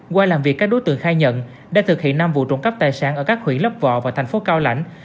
qua làm việc các đối tượng khai nhận đã thực hiện năm vụ trộm cắp tài sản ở các huyện lấp vọ và tp cao lãnh